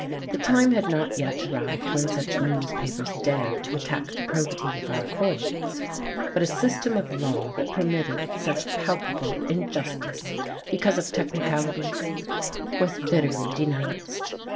The time had not yet arrived when such newspapers dared to attack the probity of our courts, but a system of law that permitted such palpable injustice because of technicalities was bitterly denounced.